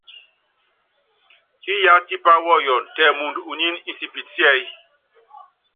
Iyá tipá wɔyɔn tɛ mɔɔnd unín insipit síɛ́y.